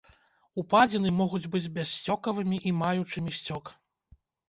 Упадзіны могуць быць бяссцёкавымі і маючымі сцёк.